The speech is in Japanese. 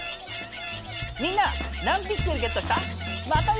みんな何ピクセルゲットした？